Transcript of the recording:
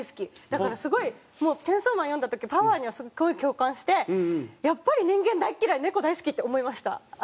だからすごいもう『チェンソーマン』読んだ時パワーにはすごい共感してやっぱり人間大嫌いネコ大好きって思いました。